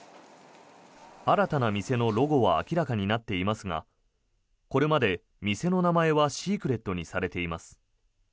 新たな店のロゴは明らかになっていますがこれまで店の名前はシークレットにされています。